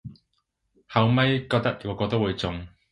後咪覺得個個都會中